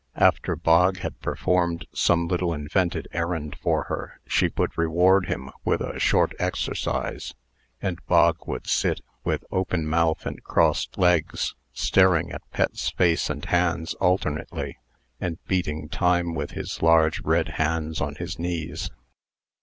After Bog had performed some little invented errand for her, she would reward him with a short exercise, and Bog would sit, with open mouth and crossed legs, staring at Pet's face and hands alternately, and beating time with his large red hands on his knees.